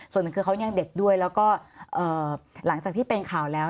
ส่วนหนึ่งคือเขายังเด็กด้วยแล้วก็หลังจากที่เป็นข่าวแล้ว